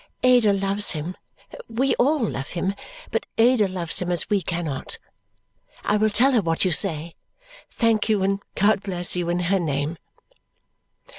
"Ada loves him we all love him, but Ada loves him as we cannot. I will tell her what you say. Thank you, and God bless you, in her name!"